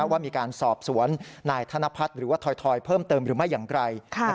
ว่ามีการสอบสวนนายธนพัฒน์หรือว่าถอยเพิ่มเติมหรือไม่อย่างไร